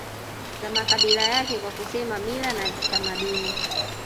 za makabila yake kwa kusema mila na tamaduni